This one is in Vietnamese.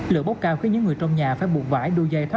lửa bốc cao khiến những người trong nhà phải buộc vải đu dây thoát